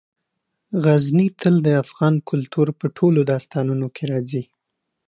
غزني تل د افغان کلتور په ټولو داستانونو کې راځي.